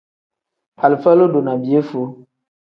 Alifa lodo ni piyefuu.